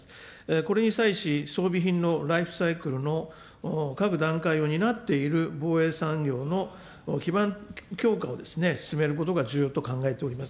これに際し、装備品のライフサイクルの各段階を担っている防衛産業の基盤強化をですね、進めることが重要と考えております。